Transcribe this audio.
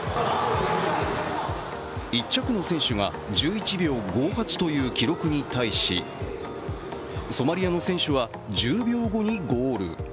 １着の選手が１１秒５８という記録に対しソマリアの選手は１０秒後にゴール。